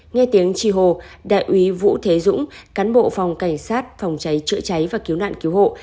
nghe tiếng chi hồ đại úy vũ thế dũng cán bộ phòng cảnh sát phòng cháy chữa cháy và cứu nạn cứu hộ